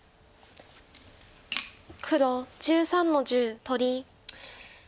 黒１３の十取り。